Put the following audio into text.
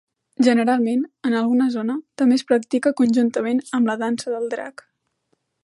Generalment, en alguna zona, també es practica conjuntament amb la dansa del Drac.